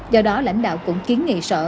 do đó lãnh đạo cũng kiến nghị sở